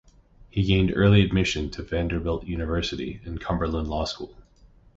He gained early admission to Vanderbilt University and Cumberland Law School.